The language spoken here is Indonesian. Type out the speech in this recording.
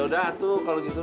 ya udah tuh kalau gitu ma